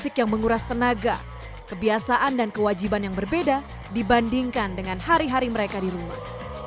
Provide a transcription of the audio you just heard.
kebiasaan dan kewajiban yang berbeda dibandingkan dengan hari hari mereka di rumah